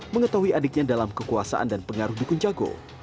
mengetahui adiknya dalam kekuasaan dan pengaruh dukun jago